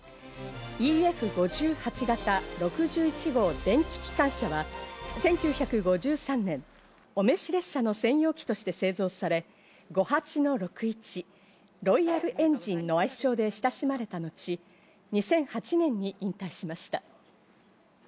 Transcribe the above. ＥＦ５８形６１号電気機関車は１９５３年、お召し列車の専用機として製造され、「ゴハチのロクイチ」、「ロイヤルエンジン」の愛称で親しまれたのち、２００８年に引退しました。